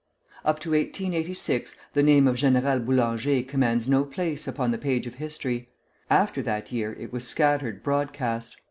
Up to 1886 the name of General Boulanger commands no place upon the page of history. After that year it was scattered broadcast.